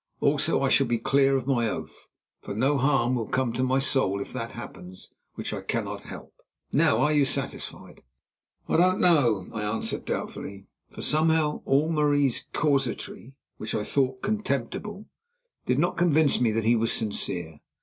Also I shall be clear of my oath, for no harm will come to my soul if that happens which I cannot help. Now are you satisfied?" "I don't know," I answered doubtfully, for somehow all Marais's casuistry, which I thought contemptible, did not convince me that he was sincere.